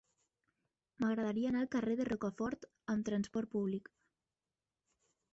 M'agradaria anar al carrer de Rocafort amb trasport públic.